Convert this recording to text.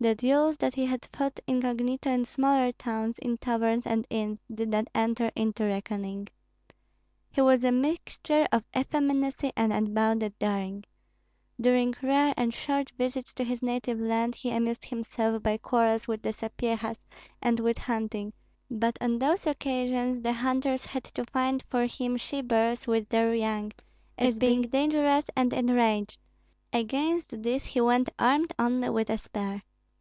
The duels that he had fought incognito in smaller towns, in taverns and inns, did not enter into reckoning. He was a mixture of effeminacy and unbounded daring. During rare and short visits to his native land he amused himself by quarrels with the Sapyehas, and with hunting; but on those occasions the hunters had to find for him she bears with their young, as being dangerous and enraged; against these he went armed only with a spear.